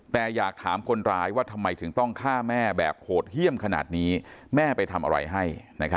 แต่อยากถามคนร้ายว่าทำไมถึงต้องฆ่าแม่แบบโหดเยี่ยมขนาดนี้แม่ไปทำอะไรให้